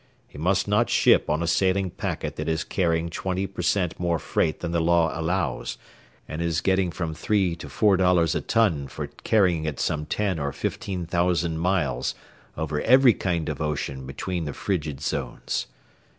He must not ship on a sailing packet that is carrying twenty percent more freight than the law allows and is getting from three to four dollars a ton for carrying it some ten or fifteen thousand miles over every kind of ocean between the frigid zones.